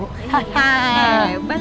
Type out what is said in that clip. haha hebat kamu